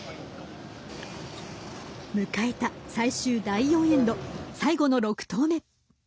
迎えた最終第４エンド最後の６投目。